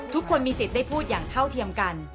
ทุกคนมีสิทธิ์ได้พูดอย่างเท่าเทียมกัน